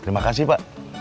terima kasih pak